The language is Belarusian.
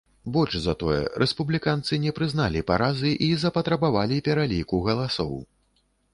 Больш за тое, рэспубліканцы не прызналі паразы і запатрабавалі пераліку галасоў.